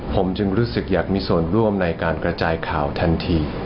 ผมจึงรู้สึกอยากมีส่วนร่วมในการกระจายข่าวทันที